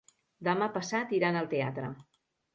Demà passat iran al teatre.